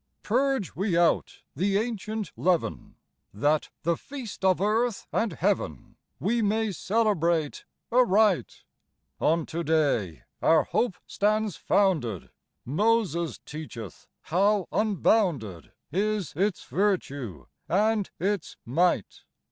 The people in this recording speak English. Purge we out the ancient leaven, That the feast of earth and heaven We may celebrate aright ; On to day our hope stands founded : Moses teacheth how unbounded Is its virtue and its might.